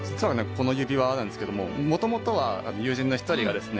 この指輪なんですけどももともとは友人の１人がですね